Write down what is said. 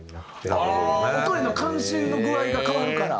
音への関心の具合が変わるから。